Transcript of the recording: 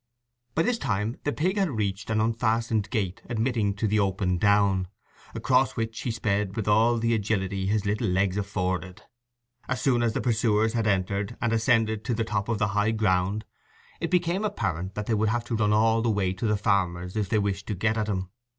By this time the pig had reached an unfastened gate admitting to the open down, across which he sped with all the agility his little legs afforded. As soon as the pursuers had entered and ascended to the top of the high ground it became apparent that they would have to run all the way to the farmer's if they wished to get at him.